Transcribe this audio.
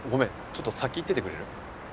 ちょっと先行っててくれる？